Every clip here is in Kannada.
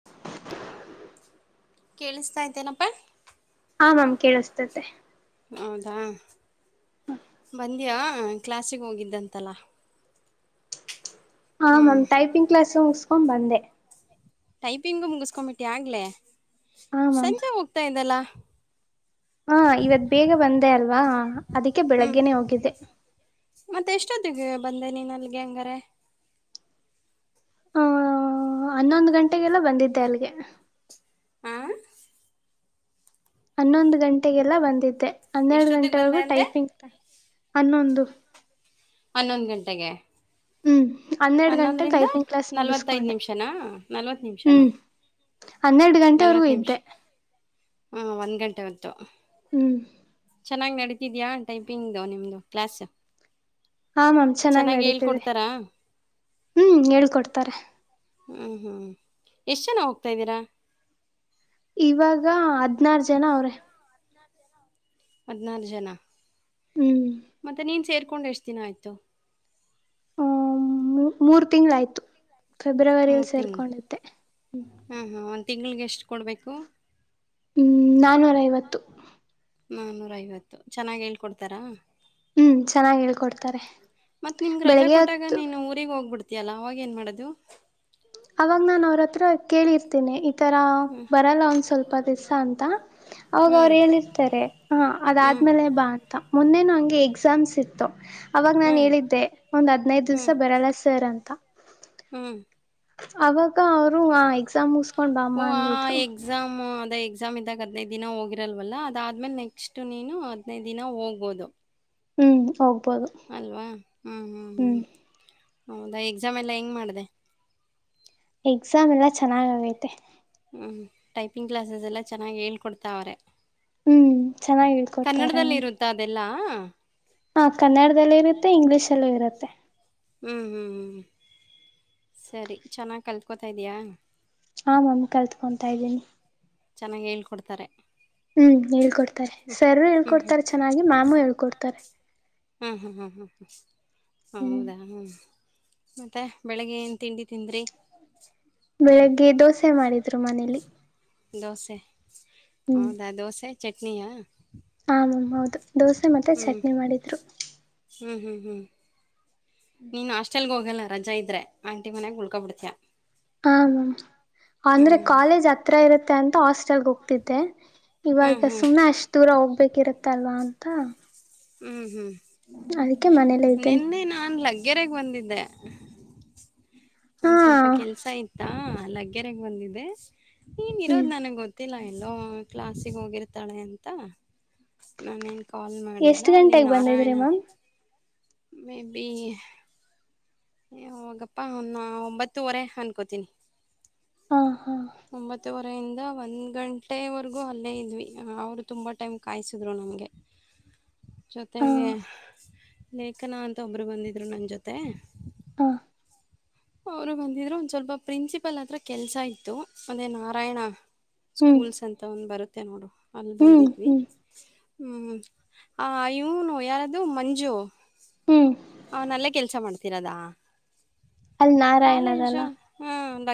[unintelligible] ಕೇಳಿಸ್ತಾ ಇದ್ದೇನಪ್ಪಾ ಆಾಮ್ ಕೇಳಿಸ್ತತೆ ಹೌದಾ ಬಂದ್ಯಾ ಕ್ಲಾಸಿಗೆ ಹೋಗಿದ್ದಂತಲ್ಲ ಹಾ ಹ್ಮ್ ಮ್ಯಾಮ್ಟೈಪಿಂಗ್ಲಾಸ್ ಮುಗಸ್ಕೊಂಡ್ ಬಂದೆ ಟೈಪಿಂಗು ಮುಗಿಸಕೊಂಬಿಟ್ಟಿ ಆಗ್ಲ ಹಾ ಮ್ಯಾಮ್ ಸಂಖೆ ಹೋಗ್ತಾ ಇದಲ್ಲ ಹಾ ಇವತ್ ಬೇಗ ಬಂದೆ ಅಲ್ವಾ ಅದಕ್ಕೆ ಹ್ಮ್ ಬೆಳಗ್ಗೆನೆೇ ಹೋಗಿದೆ ಮತ್ತೆ ಎಷ್ಟೊತ್ತಿಗೆ ಬಂದೆ ನೀನ್ ಅಲ್ಲಿಗೆ ಹಂಗಾರೆ ಹ ಹನ್ನೊಂದು ಗಂಟೆಗೆಲ್ಲ ಬಂದಿದ್ದೆ ಅಲ್ಲಿಗೆ ಹಾ ಹನ್ನೊಂದು ಗಂಟೆಗೆಲ್ಲ ಬಂದಿದ್ದೆ ಹನ್ನೆರಡು ಎಷ್ಟೊತ್ತಿಗೆ ಬಂದೆ ಗಂಟೆವರೆಗೂ ಅಂದೆ ಟೈಪಿಂಗ್ ಹನ್ನೊಂದು ಹನ್ನೊಂದು ಗಂಟೆಗೆ ಹ್ಮ್ ಹನ್ನೆರಡು ಗಂಟೆ ಹನ್ನೊಂದರಿಂದ ಟೈಪಿಂಗ್ ಕ್ಲಾಸ್ ನಲ್ವತ್ತೈದು ಮುಗಸ್ಕೊಂಡೆ ನಿಮಿಷನಾ ನಲ್ವತ್ತು ನಿಮಿಷನಾ ಹ್ಮ್ ಹನ್ನೆರಡು ಗಂಟೆವರೆಗೂ ಇದ್ದೆ ಹಾ ಒಂದ್ ಗಂಟೆ ಹೊತ್ತುು ಹ್ಮ್ ಚೆನ್ನಾಗಿ್ ನಡೀತಿದ್ಯಾಾ ಟೈಪಿಂಗು ನಿಮ್ದು ಕ್ಲಾಸ್ ಹ ಮ್ಯಾಮ್ ಚೆನ್ನಾಗಿ್ ನಡೀತಿದೆ ಹೇಳ್ಕೊಡ್ತಾರಾ ಹ್ಮ್ ಹೇಳ್ಕೊಡ್ತಾರೆ ಹ್ಞೂ ಹ್ಞೂ ಎಷ್ಟು ಜನ ಹೋಗ್ತಾ್ದೀರಾ ಇವಾಗ ಹದ್ನಾರ ಜನ ಅವ್ರೆ ಹದಿನಾರು ಜನ ಹ್ಮ್ ಮತ್ತೆ ನೀನು ಸೇರ್ಕೊಂಡು ಎಷ್ಟು ದಿನ ಆಯಿತು ಮೂರು ತಿಂಗಳ ಆಯ್ತು ಫೆಬ್ರವರಿಲ್ ಸೇರ್ಕೊಂಡುತ್ತೆ ಹಾ ಹಾ ಒಂದು ತಿಂಗ್ಳಿಗೆ ಎಷ್ಟು ಕೊಡ್ಬೇಕು ಹ ನಾನ್ನೂರೈವತ್ತು ನಾನೂರ ಐವತ್ತು ಚೆನ್ನಾಗಿ ಹೇಳ್ಕೊಡ್ತಾರಾ ಹ್ಮ್ ಚೆನ್ನಾಗಿ ಹೇಳ್ಕೊಡ್ತಾರೆ ಮತ್ ನಿಮ್ಗೆ ರಜಾ ಬೆಳಿಗ್ಗೆ ಕೊಟ್ಟಾಗ ಹೊತ್ತು ನೀನು ಊಗ್ ಹೋಗ್ಬಿಡ್ತಿ ಅ ಅಲ್ಲ ಅವಾಗ ಏನ್ ಮಾಡೋದು ಅವಾಗ ನಾ ಅವ್ರತ್ರ ಕೇಳಿರ್ತೇನೆ ಈತರ ಹ್ಞೂ ಬರಲ್ಲ ಒಂದ ಸ್ವಲ್ಪ ದಿವ್ ಅಂತ ಅವಾಗ ಹ್ಞೂ ಅವ್ರು ಹೇಳಿರ್ತಾರೆ ಹ ಹ್ಞೂ ಅದಾದ್ಮೇಲೆ ಬಾ ಅಂತ ಮುೊಂದೆನು ಹಂಗೆ ಎಕ್ಸಾಮ್ಸ್ ಇತ್ತು ಅವಾಗ ಹ್ಞೂ ನಾನ್ ಹೇಳಿದ್ದೆ ಒಂದ್ ಹದ್ನೈದು ದಿವ್ಸ ಬರಲ್ಲ ಸರ್ ಅಂತ ಹ್ಮ್ ಅವಾಗ ಅವರು ಎಕ್ಸಾಮ್ ಮುಸ್ಕೊಂಡ್ ಬಮ್ಮ ಅಂದಿದ್ರು ಎಕ್ಸಾಮ್ ಅದ ಎಕ್ಸಾಮ್ ಇದ್ದಾಗ ಹದಿನೈದು ದಿನ ಹೋಗಿರಲ್ವಲ್ಲ ಅದಾದ್ಮೇಲೆ ನೆಕ್ಸ್ಟ್ ನೀನು ಹದ್ಿನೈದು ದಿನ ಹೋಗೋದು ಹ್ಮ್ ಹೋಗ್ಬೋದು ಅಲ್ವಾ ಹ್ಮ್ ಹ್ಮ್ ಹ್ಮ್ ಹೌದಾ ಎಕ್ಸಾಮ್ ಎಲ್ಲ ಹೆಂಗ್ ಮಾಡಿದೆ ಎಕ್ಸಾಮ್ ಎಲ್ಲಾ ಚೆನ್ನಾಗ್ ಆಗೈತೆ ಹ್ಮ್ ಟೈಪಿಂಗ್ ಕ್ಲಾಸಸ್ ಎಲ್ಲಾ ಚೆನ್ನಾಗಿ ಹೇಳ್ಕೊಡ್ತ ಅವ್ರೆ ಹ್ಮ್ ಚೆನ್ನಾಗಿ ಹೇಳ್ಕೊಡ್ತವಾರಾ ಮಾಮ್ ಮತ್ತ ಅದೆಲ್ಲಾ ಹಾ ಕನ್ನಡದಲ್ಲೂ ಇರುತ್ತೆ ಇಂಗ್ಲೀಷ್ಲ್ಲೂ ಇರುತ್ತೆ ಹ್ಞೂ ಹ್ಞೂ ಹ್ಞ ಸರಿ ಚೆನ್ನಾಗಿ ಕಲ್ತ್ಕೋತಾಿದಯಾ ಹಾಂ ಮ್ಯಾಮ್ ಕಲಿತ್ಕೊತಾಯ ಇದ್ದೀನಿ ಚೆನ್ನಾಗಿ ಹೇಳ್ಕೊಡ್ತಾರೆ ಹ್ಮ್ ಹೇಳ್ಕೊಡ್ತಾರೆ ಸರರು ಹ್ಞೂ ಹೇಳ್ಕೊಡ್ತಾರೆ ಚೆನ್ನಾಗಿ ಮ್ಯಾಮು ಹೇಳ್ಕೊಡ್ತಾರೆ ಹ್ಮ್ ಹ್ಮ್ ಹ್ಮ್ ಹ್ಮ್ ಹ ಹೌದಾ ಹ್ಮ್ ಮತ್ತೆ ಬೆಳಿಗ್ಗೆ ಏನ್ ತಿಂಡಿ ತಿಂದ್ರಿ ಬೆಳಿಗ್ಗೆ ದೋಸೆ ಮಾಡಿದ್ರು ಮನೇಲಿ ದೋಸೆ ಹೌದಾ ದೋಸೆ ಚಟ್ನಿಯಾ ಹ ಮಾಮ್ ಹೌದು ದೋಸೆ ಮತ್ತೆ ಚಟ್ನಿ ಮಾಡಿದ್ರು ಹ್ಮ್ ಹ್ಮ್ ಹ್ಮ್ ನೀನ್ ಹಾಸ್ಟೆಲ್ ಗೆ ಹೋಗಲ್ಲ ರಜಾ ಇದ್ರೆ ಆಂಟಿ ಮನಗ್ ಉಳ್ಕೊಬ ಬಿಡ್ತಿಯಾ ಹ ಮ್ ಅಂದ್ರೆ ಕಾಲೇಜ್ ಹತ್ರ ಇರುತ್ತೆ ಅಂತ ಹಾಸ್ಟೆಲ್ಗೆ ಹೋಗ್ತಿದ್ದೆ ಹ್ಞೂ ಇವಾಗ ಹ್ಞೂ ಸುಮ್ನೆ ಅಷ್ಟ್ ದೂರ ಹೋಗ್ಬೇಕಿರತ್ತಲ್ವಾ ಅಂತ ಹ್ಮ್ ಹ್ಮ್ ಅದಕ್ಕೆ ಮನೇಲ್ಲ ಇದ್ದೀನಿ ನಾನ್ ಲಗ್ಗೆೇರೆಗ್ ಬಂದಿದ್ದೆ ಹಾ ಒಂದ್ ಸ್ವಲ್ಪ ಕೆಲ್ಸ ಇಯತಾ ಲಗ್ಗೆರೆಗ್ ಬಂದಿದೆೆ ನೀನ್ ಹ್ಮ್ ಇರೋದ್ ನನಗ್ ಗೊತ್ತ ಗೊತ್ತಿಲ್ಲ ಎಲ್ಲೋ ಕ್ಲಾಸಿಗೆ ಹೋಗಿರ್ತಾಳೆ ಅಂತ ನಾನೇನ್ ಕಾಲ್ ಮಾಡಿಲ್ಲ ಎಷ್ಟ್ ಅಲ್ಲಿ ಗಂಟೆಗೆ ಬಂದಿದ್ರಿ ನಾರಾಯಣ ಮ್ಯಾಮ್ ಮೇ ಬಿ ಏ ಹೋಗಪ್ಪಾ ಅವ ಒಂಬತ್ತುವರೆ ಅನ್ಕೋತೀನಿ ಹಾ ಹಾ ಒಂಬತ್ತುವರೆಯಿಂದ ಒಂದ್ ಗಂಟೆವರೆಗೂ ಅಲ್ಲೇ ಇದ್ವಿ ಅವ್ರು ತುಂಬಾ ಟೈಮ್ ಕಾಯಿಸಿದ್ರು ನಮಗೆ ಹಾ ಜೊತೆಗೆ ಲೇಖನ ಅಂತ ಒಬ್ರು ಬಂದಿದ್ರು ನನ್ನ ಜೊತೆ ಹಾ ಅವರು ಬಂದಿದ್ರರು ಒಂದ್ ಸ್ವಲ್ಪ ಪ್ರಿನ್ಸಿಪಲ್ ಹತ್ರ ಕೆಲ್ಸ ಇತ್ತು ಮಂದೆ ನಾರಾಯಣ ಹ್ಮ್ ಸ್ಕೂಲ್ಸ್ ಅಂತ ಒಂದ್ ಬರುತ್ತೆ ನೋಡು ಅಲ್ ಹ್ಮ್ ಬಂದಿದ್ವಿ ಹ್ಮ್ ಹ್ಮ್ ಆ ಇವನು ಯಾರ್ದು ಮಂಜು ಹ್ಮ್ ಅವನಲ್ಲೇ ಕೆಲ್ಸ ಮಾಡ್ತೀರದಾ ಅಲ್ಲಿ ನಾರಾಯಣದಲ್ಲ ಕಾಲೇಜು ಹ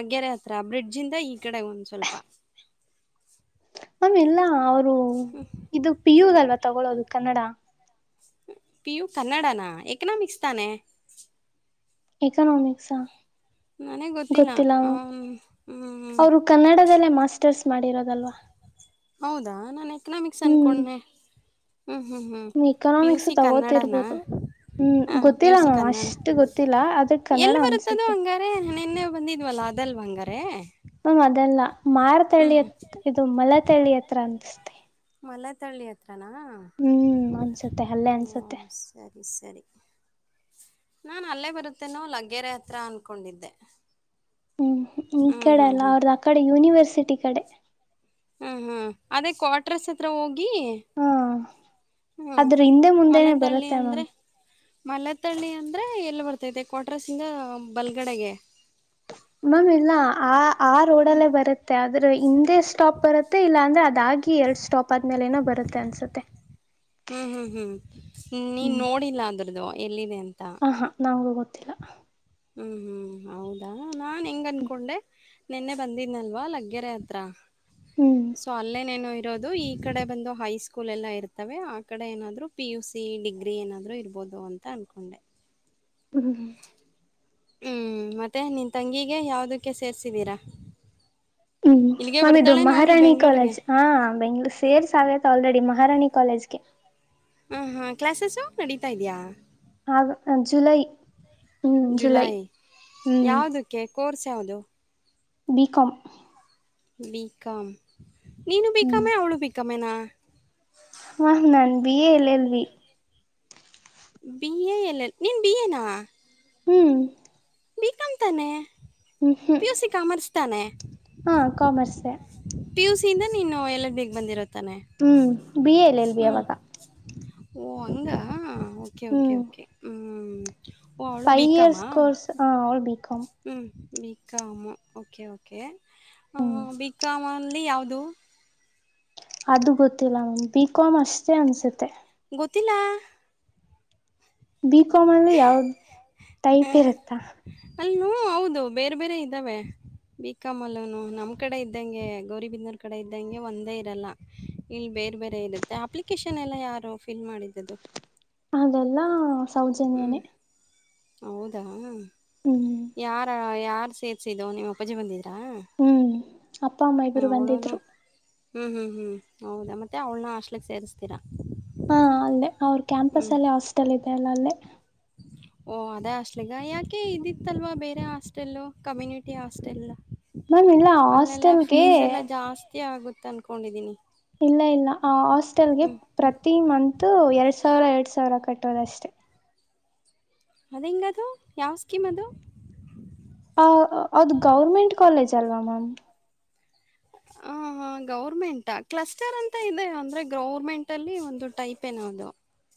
ಗ್ಗೆರೆ ಹತ್ರ ಬ್ರಿಡ್ಜ ಇದ ಈ ಕಡೆ ಒಂದ್ ಸ್ವಲ್ಪ ಮಾಮ್ ಎಲ್ಲ ಅವರು ಇದು ಪಿ ಯು ಅಲ್ವಾ ತಗೊಳ್ಳೋದು ಕನ್ನಡ ಪಿ ಯು ಕನ್ನಡನಾ ಎಕನಾಮಿಕ್ಸ್ ತಾನೇ ಎಕನೊಮಿಕ್ಸ್ ನನಗೆ ಗೊತ್ತಿಲ್ಲ ಹ್ಮ್ ಅವರು ಕನ್ನಡದಲ್ಲೇ ಮಾಸ್ಟರ್ಸ್ ಮಾಡಿರೋದಲ್ವಾ ಹೌದಾ ನಾನ್ ಎಕನಾಮಿಕ್ಸ್ ಅನ್ಕೊಂಡನೆ ಹ್ಮ್ ಹ್ಮ್ ಹ್ಮ್ ಹ್ಮ್ ಪಿ ಯು ಎಕನಾಮಿಕ್ಸ್ ಸಿ ಕನ್ನಡಾನ ತಗೋತಿರ್ಬೋದು ಹ್ಮ್ ಹ ಪಿ ಗೊತ್ತಿಲ್ಲ ಯು ಸಿ ಮ್ಯಾಮ್ ಕನ್ನಡ ಅಷ್ಟು ಗೊತ್ತಿಲ್ಲ ಅದ ಕನ್ನಡ ಎಲ್ಲಿ ಬರುತ್ತದು ಅನ್ಸುತ್ತೆ ಹಂಗ ಅ ನಿನ್ನೆ ಬಂದಿದ್ವಲ್ಲ ಅದಲ್ ಬಂಗಾರ ಮಾಮ್ ಅದೆಲ್ಲ ಮಾರತಳಿ ಹತ್ರ ಇದು ಮಲತಳಿ ಹತ್ರ ಅನ್ಸತತೆ ಮಲೆತಳ್ಳಿ ಹತ್ರನಾ ಹ್ಮ್ ಅನ್ಸುತ್ತೆ ಅಲ್ಲೇ ಓ ಅನ್ಸತ್ತೆ ಸರಿ ಸರಿ ನಾನು ಅಲ್ಲೇ ಬರುತ್ತೇನೋ ಲಗ್ಗೆರೆ ಹತ್ರಿ ಅಂದ್ಕೊಂಡಿದ್ದೆ ಹ್ಮ್ ಈ ಕಡೆ ಅಲ್ಲ ಹ್ಮ್ ಅವ್ರದ ಆ ಕಡೆ ಯೂನಿವರ್ಸಿಟಿ ಕಡೆ ಹಾ ಹಾ ಅದೇ ಕ್ವಟ್ರಸ್ ಹತ್ರ ಹೋಗಿ ಹಾ ಹ್ಮ್ ಆದ್ರ ಹಿಂದೆ ಮುಂದೆ ಮಲೆತಳ್ಳಿ ಬರುತ್ತೆ ಅಂದ್ರೆ ಮ್ಯಾಮ್ ಮಲೆತಳ್ಳಿ ಅಂದ್ರೆ ಎಲ್ಲಿ ಬರ್ತೈತೆ ಕೊಟ್ರಸಿಂಗ ಬಲ್ಗಡೆಗೆ ಮಾಮ್ ಇಲ್ಲ ಆ ಆ ರೋಡ ಅಲ್ಲೇ ಬರುತ್ತೆ ಆದ್ರೆ ಹಿಂದೆ ಸ್ಟಾಪ್ ಬರುತ್ತೆ ಇಲ್ಲ ಅಂದ್ರೆ ಅದಾಗಿ ಎರಡ್ ಸ್ಟಾಪ್ ಆದ್ಮೇಲೆ ನ ಬರುತ್ತೆ ಅನ್ಸುತ್ತೆ ಹ್ಮ್ ಹ್ಮ್ ಹ್ಮ್ ನೀ ನೋ ನೋಡಿಲ್ಲ ಅದ್ರದ್ದು ಎಲ್ಲಿದೆ ಅಂತ ಹಾಂ ಹಾಂ ನಮಗೂ ಗೊತ್ತಿಲ್ಲ ಹ್ಮ್ ಹ್ಮ್ ಹೌದಾ ನಾ ಹೆಂಗ ಅನ್ಕೊಂಡೆ ನಿನ್ನೆ ಬಂದಿದ್ನಲ್ವಾ ಲಗ್ಗೆರೆ ಹತ್ರ ಹ್ಮ್ ಸೊ ಅಲ್ಲೇ ನನು ಇರೋದು ಈ ಕಡೆ ಬಂದು ಹೈಸ್ಕೂಲ್ ಎಲ್ಲ ಇರ್ತವೆ ಆ ಕಡೆ ಏನಾದ್ರು ಪಿ ಯು ಸಿ ಡಿಗ್ರಿ ಏನಾದ್ರು ಇರ್ಬಹುದು ಅಂತ ಕಾಣ್ಕೊಂಡೆ ಹ್ಮ್ ಹ್ಮ್ ಮತ್ತೆ ನಿನ್ ತಂಗಿಗೆ ಯಾವದಕ್ಕೆ ಸೇರ್ಸಿದೀರಾ ಹ್ಮ್ ಇಲ್ಲಿಗೆ ನಾಮ ಇದು ಬರ್ತಾಳೇನ್ ಹೋಗ್ಲಿ ಮಹಾರಾಣಿ ಬೆಂಗ್ಳೂರ್ಗೆ ಕಾಲೇಜ್ ಹ ಬೆಂಗ್ಳೂರು ಸೇರ್ಸ್ ಆಗುತ್ತ ಆಲ್ರೆಡಿ ಮಹಾರಾಣಿ ಕಾಲೇಜ್ಗೆ ಹಾ ಹಾ ಕ್ಲಾಸಸ್ಸು ನಡೀತಾ ಇದಯಾ ಹಾಗ ಜುಲೈ ಹ್ಞ ಜುಲೈ ಹ್ಞ ಯಾವುದಕ್ಕೆ ಕೋರ್ಸ್ ಯೌದು ಬಿ ಕಮ ಬಿಕಾಂ ಮ ನೀನು ಹ್ಮ್ ಬಿಕಾಂ ಅವ್ಳು ಬಿಕಾಂ ನಾ ಹಾ ನಾನ್ B A L L B B A L ನೀನ್ ಬಿ ಎ ನಾ ಹ್ಮ್ ಬಿಕಾಮ್ ತಾನೆ ಹ್ಮ್ ಹ್ಮ್ ಪಿ ಯು ಸಿ ಕಾಮರ್ಸ್ ತಾನೆ ಹಾ ಕಾಮರ್ಸೆ ಪಿ ಯುಸಿಯಿಂದ ನೀನು ಎಲ್ ಎಲ್ ಬಿ ಬಂದಿರೋದ್ ತ್ತಾನೆ ಹ್ಮ್ B A L L B ಅವಾಗ ಓ ಅಂಗ ಒಕೆ ಒಕೆ ಹ್ಮ್ ಒಕೆ ಹ್ಮ ಓ ಅವ್ಳು ಬಿ ಫೈವ್ ಕಾಮ್ ಇಯರ್ಸ್ ಅ ಕೋರ್ಸ್ ಅವಳು ಬಿ ಕಾಮ್ ಹ್ಞೂ ಬಿಕಾಮ್ ಓಕೆ ಓಕೆ ಹ್ಮ್ ಬಿ ಕಾಮ್ ಅಲ್ಲಿ ಯಾವುದು ಅದು ಗೊತ್ತಿಲ್ಲ ಮ್ಯಾಮ್ ಬಿ ಕಾಮ್ ಅಷ್ಟೇ ಅನಸುತ್ತೆ ಗೊತ್ತಿಲ್ಲ ಬಿ ಕಾಮ್ ಅಲ್ಲೂ ಯಾವ್ದ್ ಟೈಪ್ ಇರುತ್ತಾ ಅಲ್ ಹೌದು ಬೇರೆ ಬೇರೆ ಇದ್ದಾವೆ ಬಿಕಾಮಲ್ಲೂನು ನಮ್ ಕಡೆ ಇದ್ದಂಗೆ ಗೌರಿಬಿದನೂರ್ ಕಡೆ ಇದ್ದಂಗೆ ಒಂದೇ ಇರಲ್ಲ ಇಲ್ ಬೇರೆ ಬೇರೆ ಇರುತ್ತೆ ಅಪ್ಲಿಕೇಶನ್ ಎಲ್ಲ ಯಾರು ಫಿಲ್ ಮಾಡಿದ್ದದು ಅದೆಲ್ಲಾ ಹ್ಮ್ ಹೌದಾ ಹ್ಮ್ ಯಾರ ಯಾರ್ ಸೇ ದುೋ ನೀವು ಅಪ್ಪಾಜೆ ಬಂದಿದೀರಾ ಹ್ಮ್ ಅಪ್ಪ ಅಮ್ಮ ಹ ಇಬ್ರು ಅವಳನು ಬಂದಿದ್ರು ಹ್ಮ್ ಹ್ಮ್ ಹ್ಮ್ ಹೌದ ಮತ್ತೆ ಅವ್ಳನ್ನ ಅಷ್ಟಲಿಕ್ ಸೇರಿಸ್ತೀರಾ ಹಾ ಅಲ್ಲೇ ಅವ್ರ ಕ್ಯಾಂಪಸ್ ಅಲ್ಲಿ ಹಾಸ್ಟೆಲ್ ಇದೆ ಅಲ್ಲ ಅಲ್ಲಿ [inaudible] ಓಹ ಅದೇ ಅಸ್ಲಿಗ ಯಾಕೆ ಇದಿತ್ತಲ್ವಾ ಬೇರೆ ಹಾಸ್ಟೆಲ್ ಕಮ್ಯುನಿಟಿ ಹಾಸ್ಟೆಲ್ ಮ್ಯಾಮ್ ಇಲ್ಲ ಅಲ್ಲೆಲ್ಲ ಹಾಸ್ಟೆಲ್ಗೆ ಫೀಸ್ ಎಲ್ಲಾ ಜಾಸ್ತಿ ಆಗುತ್ತ ಅನ್ಕೊಂಡಿದೀನಿ ಇಲ್ಲ ಇಲ್ಲ ಆ ಹಾಸ್ಟೆಲ್ಗೆ ಪ್ರತಿ ಮಂತ್ ಎರಡ್ ಸಾವಿರ ಎರಡು ಸಾವಿರ ಕಟ್ಟೋದಷ್ಟೆ ಅದು ಹಿಂಗದು ಯಾವ ಸ್ಕೀಮ್ ಅದು ಆ ಅದು ಗೌರ್ಮೆಂಟ್ ಕಾಲೇಜ್ ಅಲ್ವಾ ಮ್ಯಾಮ್ ಹ ಹಾ ಹ ಗೌರ್ಮೆಂಟ ಕ್ಲಸ್ಟರ್ ಅಂತ ಇದೆ ಅಂದ್ರೆ ಗೌರ್ಮೆಂಟ್ ಅಲ್ಲಿ ಒಂದು ಟೈಪ್ ಏನೋ ಅದು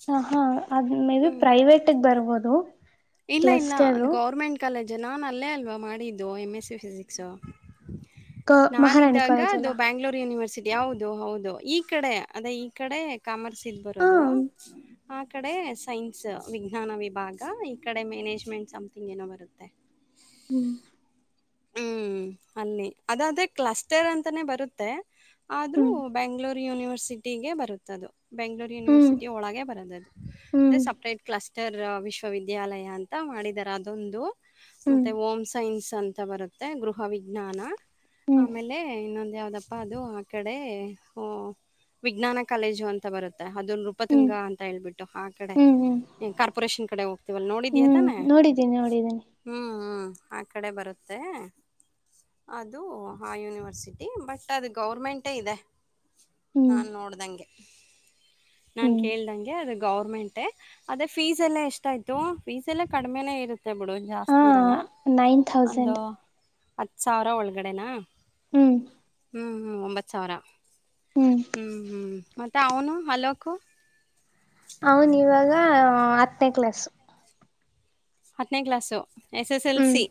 ಹ ಹಾ ಅದ ಮೇ ಬಿ ಹ್ಞೂ ಪ್ರೈವೇಟಗ್ ಬರ್ಬೋದು ಇಲ್ಲ ಇಲ್ಲ ಅದು ಕ್ಲಸ್ಟರು ಗೌರ್ಮೆಂಟ್ ಕಾಲೇಜ್ ನಾನು ಅಲ್ಲೇ ಅಲ್ವಾ ಮಾಡಿದ್ದು ಎಮ್ ಎಸ್ ಸಿ ಫಿಸಿಕ್ಸ್ ಕ ಮಹಾರಾಣಿ ನಾನಿದ್ದಾಗ ಕಾಲೇಜ್ ಅದು ಅಲ್ಲ ಬ್ಯಾಂಗ್ಳೂರು ಯೂನಿವರ್ಸಿಟಿ ಯಾವದು ಹೌದು ಈ ಕಡೆ ಅದೇ ಈ ಕಡೆ ಕಾಮರ್ಸ್ ಇದ್ ಬರೋದು ಹ ಆ ಕಡೆ ಸೈನ್ಸ್ ವಿಜ್ಞಾನ ವಿಭಾಗ ಈ ಕಡೆ ಮ್ಯಾನೇಜ್ಮೆಂಟ್ ಸಮ್ಥಿಂಗ್ ಏನೋ ಬರುತ್ತೆ ಹ್ಮ್ ಹ್ಮ್ ಅಲ್ಲಿ ಅದಾದ್ರೆ ಕ್ಲಸ್ಟರ್ ಅಂತಾನೆ ಬರುತ್ತೆ ಆದ್ರೂ ಹ್ಮ್ ಬೆಂಗ್ಳೂರು ಯೂನಿವರ್ಸಿಟಿಗೆ ಬರುತ್ತದು ಬೆಂಗಳೂರು ಹ್ಮ್ ಯೂನಿವರ್ಸಿಟಿ ಒಳಗೆ ಬರೋದದು ಅದರೆ ಹ್ಮ್ ಸಪ್ರೇಟ್ ಕ್ಲಾಸ್ ಉತ್ತರ್ ವಿಶ್ವವಿದ್ಯಾಲಯ ಅಂತ ಮಾಡಿದ್ದಾರೆ ಅದೊಂದು ಹ್ಮ್ ಮತ್ತೆ ಹಓಮ್ ಸೈನ್ಸ್ ಅಂತ ಬರುತ್ತೆ ಗೃಹ ವಿಜ್ಞಾನ ಹ್ಮ್ ಆಮೇಲೆ ಅ ಇನ್ನೊಂದ ಯಾವ್ದಪ್ಪಾ ಅದು ಆ ಕಡೆ ಹ ವಿಜ್ಞಾನ ಕಾಲೇಜು ಅಂತ ಬರುತ್ತೆ ಅದು ನೃಪತುಂಗ ಹ್ಮ್ ಅಂತ ಹೇಳ್ಬಿಟ್ಟು ಆ ಕಡೆ ಹ್ಮ್ ಹ್ಮ್ ಕಾರ್ಪೊರೇಷನ್ ಕಡೆ ಹೋಗ್ತೀವಲ್ಲ್ ಹ್ಮ್ ನೋಡಿದೀಯತಾನೆ. ನೋಡಿದ್ದೀನಿ ನೋಡಿದ್ದೀನಿ ಹ್ಮ್ ಹ್ಮ್ ಆ ಕಡೆ ಬರುತ್ತೆ. ಅದು ಆ ಯೂನಿವರ್ಸಿಟಿ ಬಟ್ ಅದು ಗೌರ್ಮೆಂಟೇ ಇದೆ. ಹ್ಮ್ ನಾನ್ ನೋಡ್ದಂಗೆ ನಾನ್ ಹ್ಮ್ ಕೇಳ್ದಂಗೆ ಅದು ಗೌರ್ಮೆಂಟ್ ಟೇ ಅದೇ ಫೀಸ್ ಎಲ್ಲ ಎಷ್ಟ ಆಯ್ತು ಫೀಸ್ ಎಲ್ಲ ಕಡಿಮೆನೇ ಇರುತ್ತೆ ಬಿಡು ಹಾ ಜಾಸ್ತಿ ಇರಲ್ಲ. ನೈನ್ ಒಂದು ಥೌಸಂಡ್ ಹತ್ತ್ ಸಾವ್ರ ಒಳಗಡೆನಾ. ಹ್ಮ್ ಹ್ಮಹ್ಮ ಒಂಬತ್ತ್ ಸಾವ್ರ ಹ್ಮ್ ಹ್ಮಹ್ಞ ಮತ್ತೆ ಅವನು ಅಲೋಕು. ಅವನ್ ಇವಾಗ ಹತ್ತನೇ ಕ್ಲಾಸ್. ಹತ್ತನೇ ಕ್ಲಾಸು, ಎಸ್ ಎಸ್ ಎಲ್ ಹ್ಮ್ ಸಿ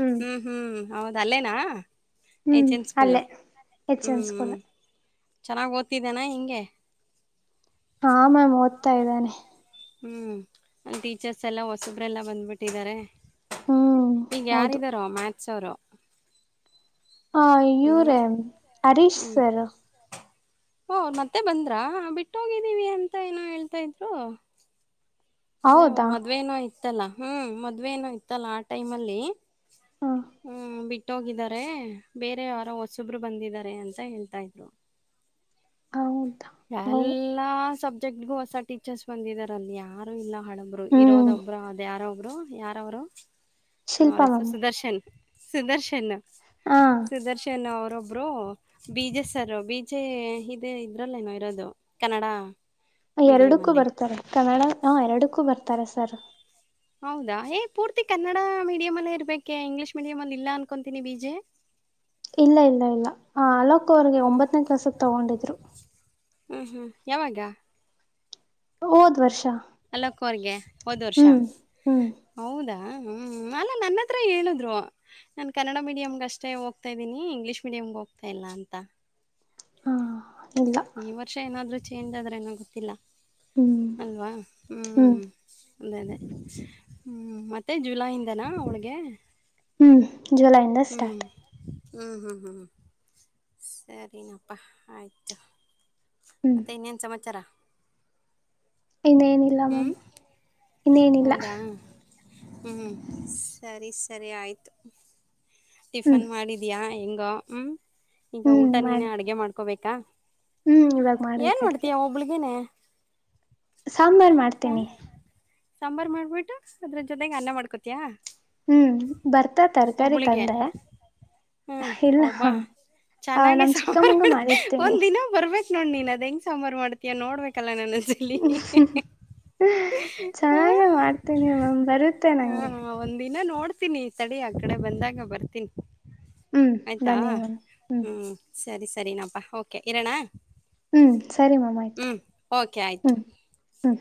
ಹ್ಮ್ ಹ್ಞ ಹ್ಞೂ ಹೌದ ಅಲ್ಲೇನಾ? ಹ್ಮ್ ಎಚ್ ಎನ್ ಸ್ಕೂಲು ಅಲ್ಲೇ ಎಚ್ ಎನ್ ಸ್ಕೂಲ್ ಹ್ಮ್ ಚೆನ್ನಾಗ್ ಓದ್ತಿದ್ದೇನಾ ಹೆಂಗೆ? ಹಾ ಮ್ಯಾಮ್ ಓದ್ತಾ ಇದ್ದಾನೆ. ಹ್ಮ್ ಅಲ್ಲಿ ಟೀಚರ್ಸೆಲ್ಲ ಹೊಸಬ್ರೆಲ್ಲ ಬಂದ್ಬಿಟ್ಟಿದ್ದಾರೆ. ಹ್ಮ್ ಈಗ ಯಾರ್ ಹೌದು ಇದಾರೋ ಮ್ಯಾಥ್ಸ್ ಅವರು. ಹ ಹ್ಮ್ ಇವ್ರೇ ಹರೀಶ್ ಹ್ಮ್ ಸರ್. ಓ ಮತ್ತೆ ಬಂದ್ರ ಬಿಟ್ಟೋಗಿದ್ದೀವಿ ಅಂತ ಏನೋ ಹೇಳ್ತಾ ಇದ್ರು. ಅದೆ ನ್ ಹೌದಾ ಮದ್ವೆೇನೋ ಇತ್ತಲ್ಲಾ ಹ್ಮ್ ಮದ್ವೆನೋ ಇತ್ತಲ್ಲಾ ಆ ಟೈಮ್ ಅಲ್ಲಿ. ಹಾ ಹ್ಮ್ ಬಿಟ್ಟೋಗಿದ್ದಾರೆ ಬೇರೆ ಯಾರೋ ಹೊಸೊಬ್ರು ಬಂದಿದ್ದಾರೆ ಅಂತ ಹೇಳ್ತಾ ಇದ್ರು. ಹೌದ? ಎಲ್ಲಾ ಸಬ್ಜೆಕ್ಟ್ಗು ಹೊಸ ಟೀಚರ್ಸ್ ಬಂದಿದಾರ ಅಲ್ಲಿ ಯಾರು ಇಲ್ಲ. ಹಳುಬ್ರು ಹ್ಮ್ ಇರೋದೊಬ್ರು ಅದ್ ಯಾರೊಬ್ರು ಯಾರವ್ರು ಅವರ ಶಿಲ್ಪಾ ಹೆಸ್ರು ಮ್ಯಾಮ್ ಸುದರ್ಶನ್. ಸುದರ್ಶನು. ಹಾ ಸುದರ್ಶನ್ ಅವರೊಬ್ರು ವಿ ಜೆ ಸರ್ರು ವಿ ಜೆ ಇದೆ. ಇದ್ರಲ್ಲೇನೋ ಇರೋದು ಕನ್ನಡ. ಎರಡಕ್ಕೂ ಮೀಡಿಯಮಲ್ಲಿ ಬರ್ತಾರೆ ಕನ್ನಡ ಹ ಎರಡಕ್ಕೂ ಬರ್ತಾರೆ ಸರ್. ಹೌದಾ ಏ ಪೂರ್ತಿ ಕನ್ನಡ ಮೀಡಿಯಂ ಅಲ್ಲೇ ಇರ್ಬೇಕೆ ಇಂಗ್ಲೀಷ್ ಮೀಡಿಯಂ ಅಲ್ಲಿ ಇಲ್ಲ ಅನ್ಕೊತೀನಿ ಬಿಜೆ. [inaudible] ಇಲ್ಲ ಇಲ್ಲ ಇಲ್ಲ ಅಲೋಕ್ ಅವರಿಗೆ ಒಂಬತ್ತನೇ ಕ್ಲಾಸಿಗ್ ತಗೊಂಡಿದ್ರು. ಹ್ಮ್ ಹ್ಮ್ ಯಾವಾಗ? ಹೋದ್ ವರ್ಷ. ಅಲೋಕೋರ್ಗೆ ಹೋದ್ ವರ್ಷ. ಹ್ಮ್ ಹ್ಮ್ ಹೌದಾ ಹ್ಮ ಅಲ್ಲ ನನ್ನತ್ರ ಹೇಳಿದ್ರು. ನಾನ್ ಕನ್ನಡ ಮೀಡಿಯಂಗಷ್ಟೇ ಹೋಗ್ತಾ ಇದೀನಿ ಇಂಗ್ಲೀಷ್ ಮೀಡಿಯಮ್ಗ್ ಹೋಗ್ತಾ ಇಲ್ಲ ಅಂತ. ಹಾ ಇಲ್ಲ. ಈ ವರ್ಷ ಏನಾದ್ರೂ ಚೇಂಜ್ ಆದ್ರೆ ಏನೋ ಗೊತ್ತಿಲ್ಲ ಹ್ಮ್ ಅಲ್ವಾ ಹ್ಮ್. ಅದೇ ಅದೇ ಹ್ಮ್ ಮತ್ತೆ ಜುಲೈಯಿಂದನಾ ಅವ್ಳಿಗೆ. ಹ್ಮ್ ಜುಲೈಯಿಂದ. ಹ್ಮ್ ಸ್ಟಾರ್ಟ್ ಹ್ಮ್ ಹ್ಮ್ ಹ್ಮ್ ಸರಿನಪ್ಪ ಆಯ್ತು ಹ್ಮ್ ಮತ್ತೆ ಇನ್ನೇನು ಸಮಾಚಾರ? ಇನ್ನೇನಿಲ್ಲ ಹ್ಞೂ ಮ್ಯಾಮ್ ಇನ್ನೇನಿಲ್ಲ. ಹ್ಮ್ ಸರಿ ಸರಿ ಆಯ್ತು. ಟಿಫನ್ ಹ್ಮ್ ಮಾಡಿದಿಯಾ ಹೆಂಗೊ ಹ್ಮ್ ಈಗ ಹ್ಮ್ ಊಟ ಮಾಡ ನೀನ ಅಡ್ಗೆ ಮಾಡ್ಕೋಬೇಕಾ? ಹ್ಮ್ ಇವಾಗ ಮಾಡ್ಬೇಕು ಅಡ್ಗೆ. ಹಬಳಿಗೆನೆ ಸಾಂಬಾರ್ ಹ ಮಾಡ್ತೀನಿ ಸಾಂಬಾರ್ು ಮಾಡ್ಬಿಟ್ಟು ಅದ್ರ ಜೊತೆಗೆ ಅನ್ನ ಮಾಡ್ಕೊತಯಾ ಹ್ಮ್ ಬರ್ತಾ ತರಕಾರಿ ತಂದೆ ಹ್ಮ್ ಇಲ್ಲ ಒಬ ಚೆನ್ನಾಗೆ ನಮ್ ಸಾಂಬಾರ್ ಚಿಕ್ಕಮ್ಮಂಗೂ ಮಾಡ ಮಾಡಿರ್ತೀನಿ ಒಂದ ದಿನ ಬರ್ಬೇಕ ನೋಡ್ ನೀನ್ ಅದ ಹೆ್ ಸಾಂಬಾರಾರ್ ಮಾಡ್ತಯಾ ನೋಡ್ಬೇಕಲ್ಲ ನನ್ ಹ ಚೆನ್ನಾಗ ಹಾ ಮಾಡ್ತೀನಿ ಮ್ಯಾಮ್ ಬರುತ್ತೆ ನಂಗೆ ಹ ಒಂದ್ ದಿನ ನೋಡ್ತೀನಿ ತಡಿ ಆ ಕಡೆ ಬಂದಾಗ ಬರ್ತೀನಿ ಹ್ಮ್ ಆಯ್ತಾ ಬನ್ನಿ ಮ್ಯಾಮ್ ಹ್ಮ್ ಹ್ಞ ಸರಿ ಸರಿನಪ್ಪ ಓಕೆ ಇರೋಣ ಹ್ಞೂ ಸರಿ ಮ್ಯಾಮ್ ಆಯಿತು ಹ್ಮ್ ಓಕೆ ಆಯ್ತು ಹ್ಞೂ ಹ್ಞೂ